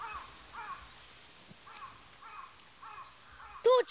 父ちゃん！